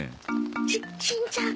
ししんちゃん